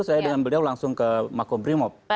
saya dengan beliau langsung ke makum primob